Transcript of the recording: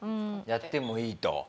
やってもいいと？